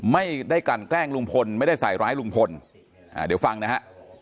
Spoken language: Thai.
ไม่ได้กลั่นแกล้งลุงพลไม่ได้ใส่ร้ายลุงพลอ่าเดี๋ยวฟังนะฮะ